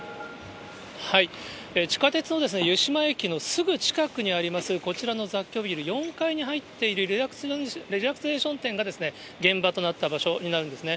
地下鉄の湯島駅のすぐ近くにあります、こちらの雑居ビル４階に入っているリラクゼーション店が、現場となった場所になるんですね。